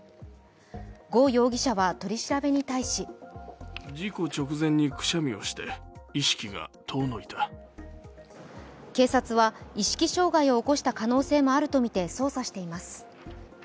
呉容疑者は取り調べに対し警察は意識障害を起こした可能性もあるとみて捜査しています。